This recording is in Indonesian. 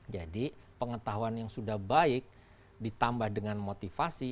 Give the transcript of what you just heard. jadi pengetahuan yang sudah baik ditambah dengan motivasi